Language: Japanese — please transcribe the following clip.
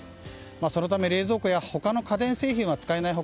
そのため冷蔵庫や他の家電製品は使えない他